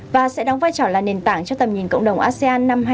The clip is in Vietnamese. và sẽ đóng vai trò là nền tảng cho tầm nhìn cộng đồng asean năm hai nghìn hai mươi năm